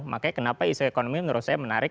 makanya kenapa isu ekonomi menurut saya menarik